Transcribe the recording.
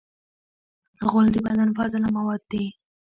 غول د بدن فاضله مواد دي.